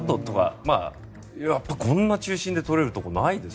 こんな中心で撮れるところないです。